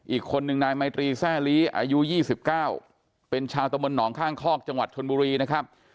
อีกคนนึงนายไมตรีแซ่ลีอายุ๒๙เป็นชาวตะมนตหนองข้างคอกจังหวัดชนบุรีนะครับ